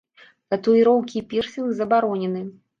Татуіроўкі і пірсінг забаронены.